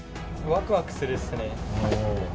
わくわくするっす。